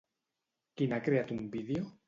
Qui n'ha creat un vídeo?